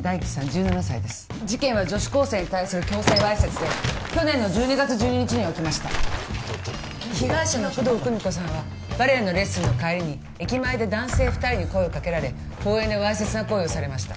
１７歳です事件は女子高生に対する強制わいせつで去年の１２月１２日に起きました被害者の工藤久美子さんはバレエのレッスンの帰りに駅前で男性２人に声をかけられ公園でわいせつな行為をされました